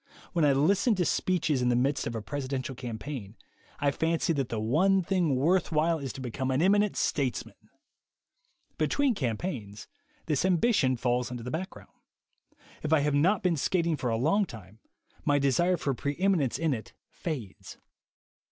When I listen to speeches in the midst of a presidential campaign, I fancy that the one thing worth while is to become an eminent statesman. Between campaigns, this ambition falls into the background. If I have not been skating for a long time, my desire for preem inence in it fades.